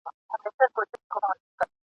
د جګړې د ډګر آسمان خړ ښکارېده.